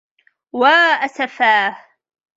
وَا أَسَفَاهْ.